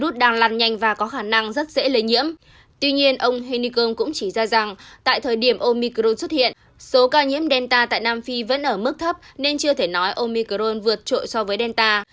tuy nhiên ông hennikun cũng chỉ ra rằng tại thời điểm omicron xuất hiện số ca nhiễm delta tại nam phi vẫn ở mức thấp nên chưa thể nói omicron vượt trội so với delta